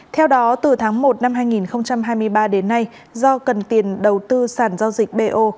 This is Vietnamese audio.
theo đó từ tháng một năm hai nghìn hai mươi ba đến nay do cần tiền đầu tư sản giao dịch bo